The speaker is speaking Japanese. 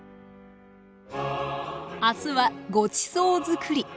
明日はごちそうづくり。